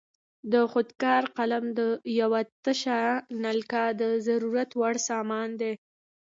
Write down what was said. د خود کار قلم یوه تشه نلکه د ضرورت وړ سامان دی.